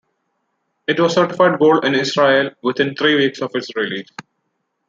It was certified gold in Israel within three weeks of its release.